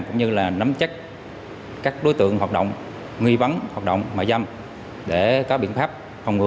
cũng như là nắm chắc các đối tượng hoạt động nghi vấn hoạt động mại dâm để có biện pháp phòng ngừa